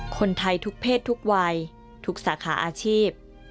คนไทยทุกเพศทุกวัยทุกสาขาอาชีพ